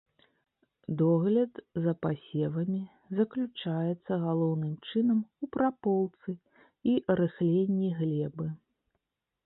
Догляд за пасевамі заключаецца галоўным чынам у праполцы і рыхленні глебы.